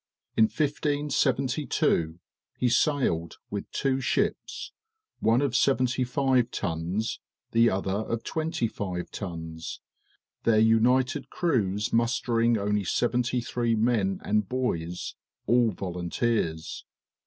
In 1572 he sailed with two ships, one of seventy five tons, the other of twenty five tons, their united crews mustering only seventy three men and boys, all volunteers.